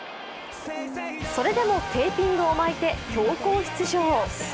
それでもテーピングを巻いて強行出場。